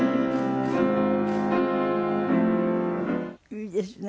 いいですね。